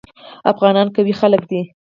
افغانان قوي خلک دي.